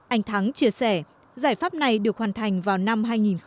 anh thắng chia sẻ giải pháp này được hoàn thành vào năm hai nghìn một mươi